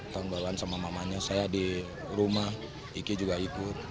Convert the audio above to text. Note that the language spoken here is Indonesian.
tahun depan sama mamanya saya di rumah iki juga ikut